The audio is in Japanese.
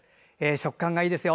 食感がいいですよ。